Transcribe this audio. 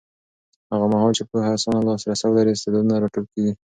هغه مهال چې پوهنه اسانه لاسرسی ولري، استعدادونه راټوکېږي.